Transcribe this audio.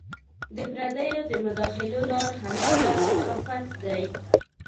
د پردیو د مداخلو لار همدغه صحافت دی.